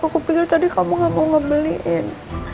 aku pikir tadi kamu gak mau ngebeliin